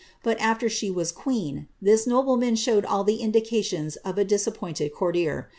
But after she was queen, this nobleman showed all the indications of a disappointed courtier.